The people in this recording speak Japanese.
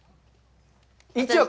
１億？